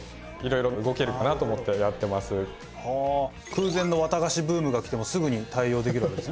空前の綿菓子ブームがきてもすぐに対応できるわけですね？